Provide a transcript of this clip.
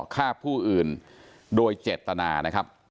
ฆ่าผู้อื่นโดยเจตนานะครับ